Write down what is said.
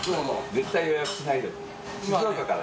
絶対予約しないと。